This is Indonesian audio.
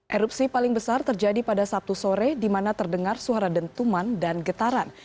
erupsi paling besar terjadi pada sabtu sore di mana terdengar suara dentuman dan getaran